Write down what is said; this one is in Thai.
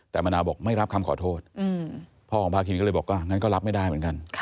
แต่มะนาวบอกไม่รับคำขอโทษพ่อของพาคินก็เลยบอกว่างั้นก็รับไม่ได้เหมือนกัน